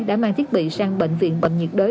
đã mang thiết bị sang bệnh viện bệnh nhiệt đới